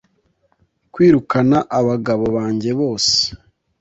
kwirukana abagabo banjye bose